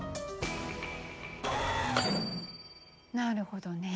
なるほどね。